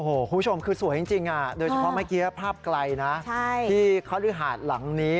คุณผู้ชมคือสวยจริงโดยเฉพาะเมื่อกี้ภาพไกลนะที่คฤหาดหลังนี้